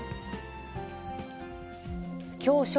きょう正